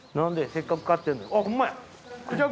せっかく飼ってるのに。